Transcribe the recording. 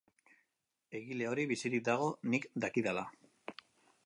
Egile hori bizirik dago, nik dakidala.